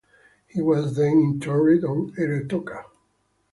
He was then interred on Eretoka.